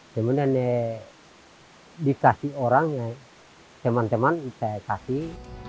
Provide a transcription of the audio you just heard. kemudian dikasih orang yang teman teman saya kasih